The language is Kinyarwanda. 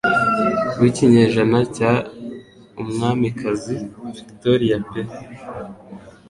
w'ikinyejana cya Umwamikazi Victoria pe